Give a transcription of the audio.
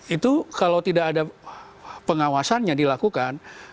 itu kalau tidak ada pengawasannya dilakukan